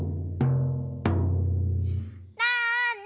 なんだ？